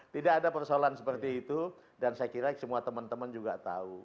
tidak ada persoalan seperti itu dan saya kira semua teman teman juga tahu